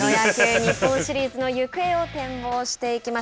日本シリーズの行方を展望していきます。